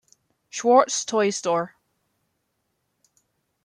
Schwartz toy store.